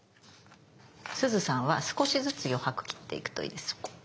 すずさんは少しずつ余白切っていくといいです。